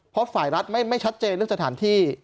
เพราะฝ่ายรัฐไม่ชัดเจนเรื่องสถานที่